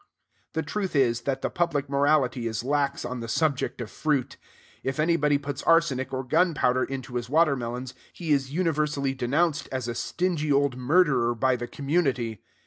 The truth is, that the public morality is lax on the subject of fruit. If anybody puts arsenic or gunpowder into his watermelons, he is universally denounced as a stingy old murderer by the community.